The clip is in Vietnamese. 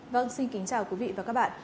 vâng xin kính chào quý vị và các bạn